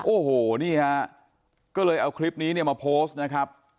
โอ้โหนี่ฮะก็เลยเอาคลิปนี้เนี่ยมาโพสต์นะครับ